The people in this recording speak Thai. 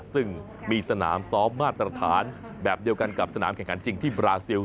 ซึ่งมีสนามซ้อมมาตรฐานแบบเดียวกันกับสนามแข่งขันจริงที่บราซิล